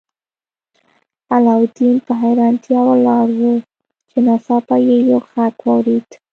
علاوالدین په حیرانتیا ولاړ و چې ناڅاپه یې یو غږ واورید.